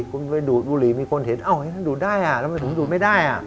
คุณไปดูดบุหรี่มีคนเห็นเอ้าท่านดูดได้อ่ะทำไมผมดูดไม่ได้